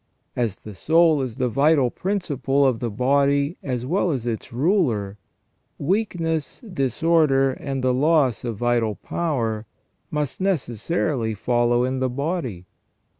As the soul is the vital principle of the body as well as its ruler, weakness, disorder, and loss of vital power must necessarily follow in the body.